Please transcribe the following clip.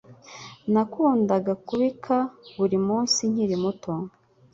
Nakundaga kubika buri munsi nkiri muto.